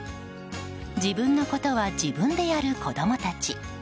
自分のことは自分でやる子供たち。